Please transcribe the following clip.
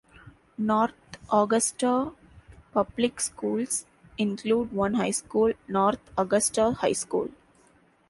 North Augusta public schools include one high school, North Augusta High School.